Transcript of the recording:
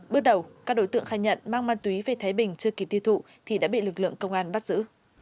bước đầu các đối tượng khai nhận mang ma túy về thái bình chưa kịp tiêu thụ thì đã bị lực lượng công an bắt giữ